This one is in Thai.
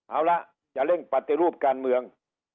เอาละจะเร่งปฏิรูปการเมือง